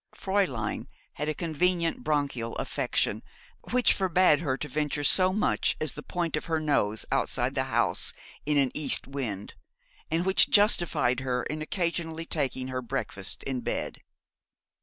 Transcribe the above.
Fräulein had a convenient bronchial affection which forbade her to venture so much as the point of her nose outside the house in an east wind, and which justified her in occasionally taking her breakfast in bed.